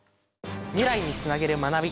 未来につなげる学び。